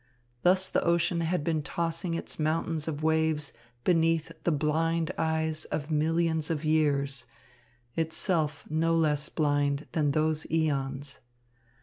Thus the ocean had been tossing its mountains of waves beneath the blind eyes of millions of years, itself no less blind than those eons.